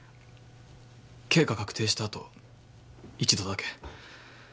刑が確定したあと一度だけ。